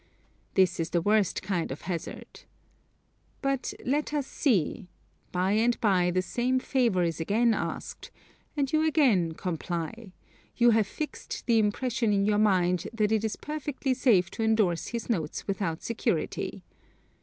This is the worst kind of hazard. But let us see by and by the same favor is again asked, and you again comply; you have fixed the impression in your mind that it is perfectly safe to endorse his notes without security.